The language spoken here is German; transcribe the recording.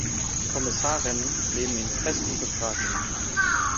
Die Kommissarinnen nehmen ihn fest und befragen ihn.